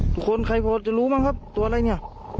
ทุกคนใครพอจะรู้บ้างครับตัวอะไรเนี่ย